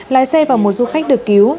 lái xe vào một du khách được cứu